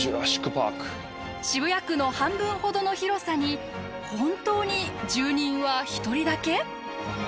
渋谷区の半分ほどの広さに本当に住人は１人だけ？